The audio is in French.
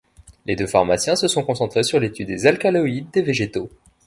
Les deux pharmaciens se sont concentrés sur l'étude des alcaloïdes des végétaux.